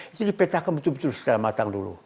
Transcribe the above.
itu dipetakan betul betul secara matang dulu